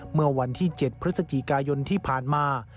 เมื่อวันที่๗พฤศจิกายนที่ผ่านมา